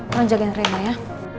tolong jagain reno ya